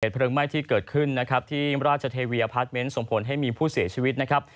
เพลิงไหม้ที่เกิดขึ้นนะครับที่ราชเทวีอพาร์ทเมนต์ส่งผลให้มีผู้เสียชีวิตนะครับ